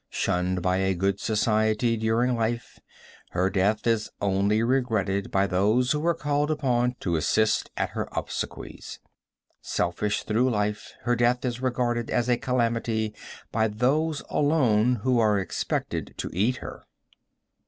Shunned by good society during life, her death is only regretted by those who are called upon to assist at her obsequies. Selfish through life, her death is regarded as a calamity by those alone who are expected to eat her.